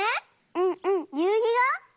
うんうんゆうひが？